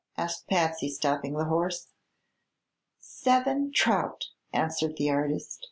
asked Patsy, stopping the horse. "Seven trout," answered the artist.